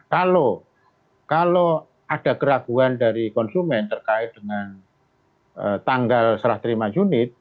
kalau ada keraguan dari konsumen terkait dengan tanggal serah terima unit